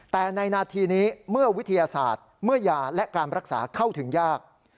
แต่ในนาทีนี้เมื่อวิทยาศาสตร์เมื่อยาและการรักษาเข้าถึงยาก